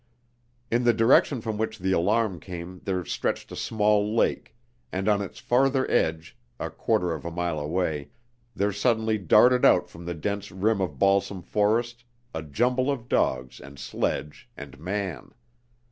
In the direction from which the alarm came there stretched a small lake, and on its farther edge, a quarter of a mile away, there suddenly darted out from the dense rim of balsam forest a jumble of dogs and sledge and man.